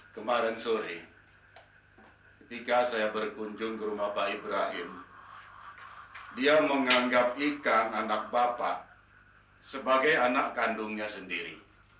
kemarin sore ketika saya berkunjung ke rumah pak ibrahim dia menganggap ikan anak bapak sebagai anak kandungnya sendiri